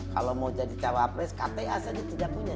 kalau mau jadi cawapres kata ya asal dia tidak punya